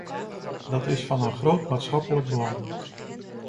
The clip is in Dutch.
Dat is van een groot maatschappelijk belang.